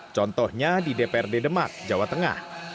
contohnya di dprd demak jawa tengah